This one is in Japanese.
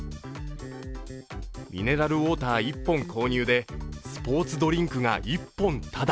ミネラルウォーター１本購入で、スポーツドリンクが１本ただ。